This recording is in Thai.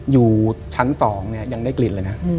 อยู่ชั้น๒เนี่ยยังได้กลิ่นเลยนะ